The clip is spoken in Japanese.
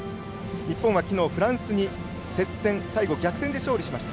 日本は、きのうフランスに接戦最後、逆転で勝利しました。